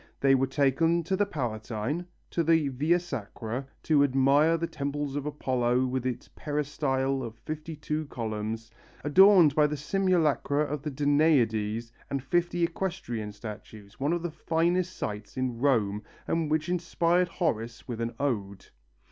They were taken to the Palatine, to the Via Sacra to admire the temple of Apollo with its peristyle of fifty two columns, adorned by the simulacra of the Danaides and fifty equestrian statues, one of the finest sights in Rome and which inspired Horace with an ode.